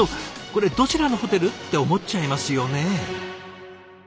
「これどちらのホテル？」って思っちゃいますよね。